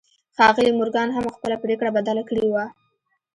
ښاغلي مورګان هم خپله پرېکړه بدله کړې وه.